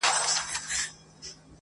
د آدب لمرجهاني دی.